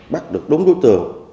bắt được đúng đối tượng